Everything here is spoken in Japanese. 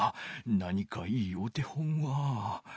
何かいいお手本は。